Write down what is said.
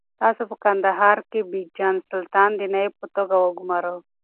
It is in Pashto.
تاسو په کندهار کې بېجن سلطان د نایب په توګه وګمارئ.